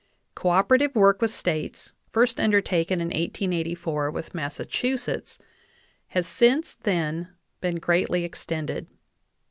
Co opera tive work with States, first undertaken in 1884 with Massachu setts, has since then been greatly extended.